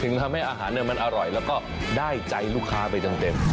ทำให้อาหารมันอร่อยแล้วก็ได้ใจลูกค้าไปเต็ม